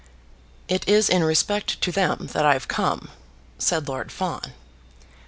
"It is in respect to them that I've come," said Lord Fawn.